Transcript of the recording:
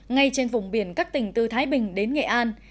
ngay trên vùng biển các tỉnh từ thái bình đến nghệ an